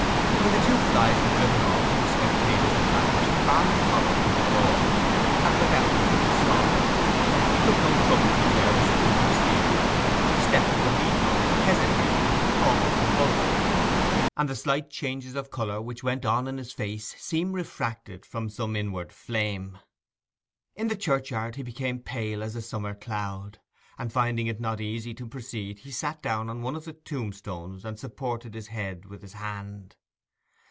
When the two flys had driven off and the spectators had vanished, Barnet followed to the door, and went out into the sun. He took no more trouble to preserve a spruce exterior; his step was unequal, hesitating, almost convulsive; and the slight changes of colour which went on in his face seemed refracted from some inward flame. In the churchyard he became pale as a summer cloud, and finding it not easy to proceed he sat down on one of the tombstones and supported his head with his hand.